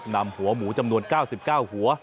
นำหัวหมูจำนวน๙๙หัว